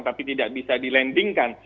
tapi tidak bisa dilandingkan